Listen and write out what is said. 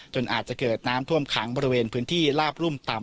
อาจจะเกิดน้ำท่วมขังบริเวณพื้นที่ลาบรุ่มต่ำ